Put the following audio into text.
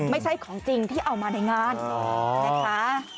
ไม่ใช่ของจริงที่เอามาในงานนะคะ